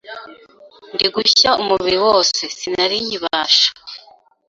ndi gushya umubiri wose, sinari nkibasha